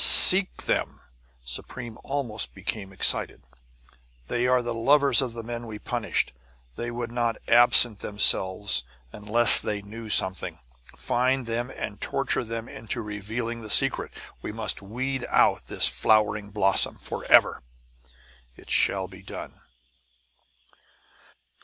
"Seek them!" Supreme almost became excited. "They are the lovers of the men we punished! They would not absent themselves unless they knew something! Find them, and torture them into revealing the secret! We must weed out this flowing blossom forever!" "It shall be done!"